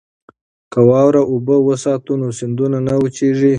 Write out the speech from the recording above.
که واوره اوبه وساتو نو سیندونه نه وچیږي.